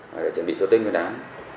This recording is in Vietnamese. và để chuẩn bị cho tên người đám